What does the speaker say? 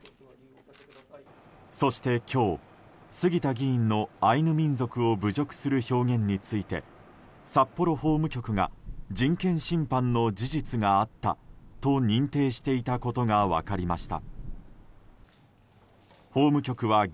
そして今日、杉田議員のアイヌ民族を侮辱する表現について札幌法務局が人権侵犯の事実があったと認定していたことが分かりました。